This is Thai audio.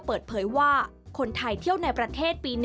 เปิดเผยว่าคนไทยเที่ยวในประเทศปี๑